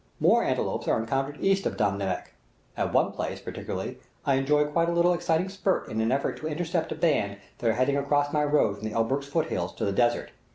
More antelopes are encountered east of Deh Namek; at one place, particularly, I enjoy quite a little exciting spurt in an effort to intercept a band that are heading across my road from the Elburz foot hills to the desert.